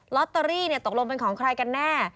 ลอตเตอรี่ตกลงเป็นของใครกันแน่